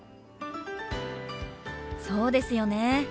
そうですよね。